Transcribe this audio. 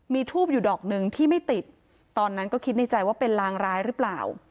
มีทูบอยู่ดอกหนึ่งที่ไม่ติดตอนนั้นก็คิดในใจว่าเป็นลางร้ายหรือเปล่า